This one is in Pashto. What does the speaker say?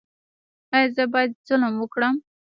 ایا زه باید ظلم وکړم؟